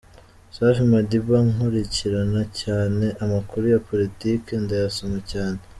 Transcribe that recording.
Safi Madiba: Nkurikirana cyane amakuru ya politike, ndayasoma cyane.